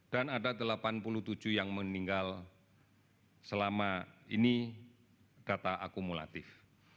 dan ada delapan puluh tujuh yang meninggal selama ini data akumulatif